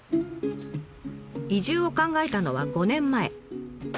移住を考えたのは５年前。